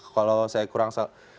kalau saya kurang